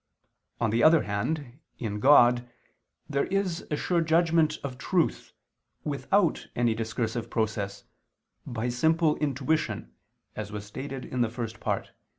On the other hand, in God, there is a sure judgment of truth, without any discursive process, by simple intuition, as was stated in the First Part (Q.